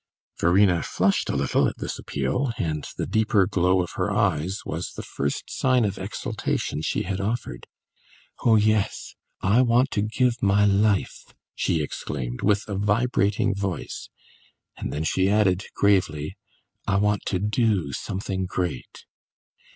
Verena flushed a little at this appeal, and the deeper glow of her eyes was the first sign of exaltation she had offered. "Oh yes I want to give my life!" she exclaimed, with a vibrating voice; and then she added gravely, "I want to do something great!"